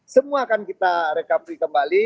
semua akan kita recovery kembali